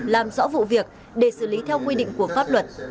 làm rõ vụ việc để xử lý theo quy định của pháp luật